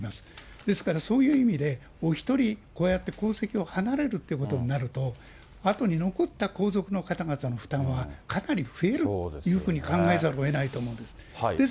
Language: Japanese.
ですからそういう意味で、お一人こうやって皇籍を離れるということになると、あとに残った皇族の方々の負担はかなり増えるというふうに考えざるをえないというふうに思います。